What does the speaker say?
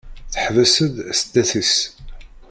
Teḥbes-d sdat-is.